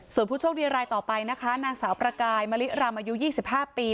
ส่วนผู้โชคดีรายต่อไปนะคะนางสาวประกายมะริรำอายุ๒๕ปี